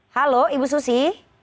halo ibu susi